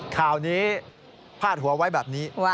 ข่าวนี้พาดหัวไว้แบบนี้